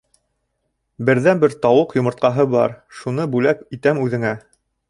Берҙән-бер тауыҡ йомортҡаһы бар, шуны бүләк итәм үҙеңә.